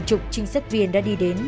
chính sách viên đã đi đến